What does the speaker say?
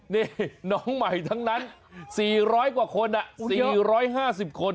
นี่น้องใหม่ทั้งนั้น๔๐๐กว่าคน๔๕๐คน